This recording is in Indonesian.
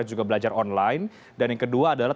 juga belajar online dan yang kedua adalah